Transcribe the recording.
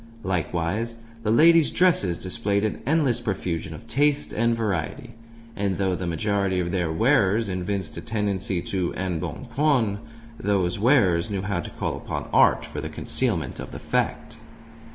Likewise the ladies' dresses displayed an endless profusion of taste and variety; and though the majority of their wearers evinced a tendency to embonpoint, those wearers knew how to call upon art for the concealment of the fact.